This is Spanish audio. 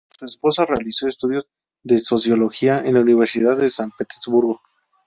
Su esposa realizó estudios de Sociología en la Universidad de San Petersburgo.